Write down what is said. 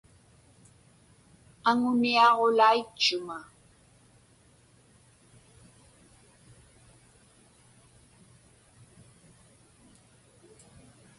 Aŋuniaġulaitchuŋa.